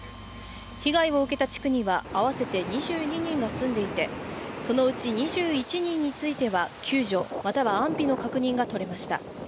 被害を受けた地区には合わせて２２人が住んでいて、そのうち２１人については救助または安否の確認がとれました。